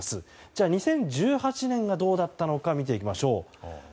じゃあ２０１８年がどうだったのか見ていきましょう。